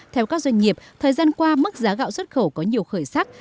theo các doanh nghiệp thời gian qua mức giá gạo xuất khẩu có nhiều khởi sắc